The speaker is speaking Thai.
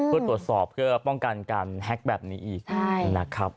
เพื่อตรวจสอบเพื่อป้องกันการแฮ็กแบบนี้อีกนะครับ